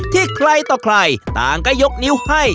ที่ใครต่อใครต่างก็ยกนิ้วให้